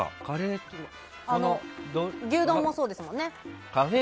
牛丼もそうですよね。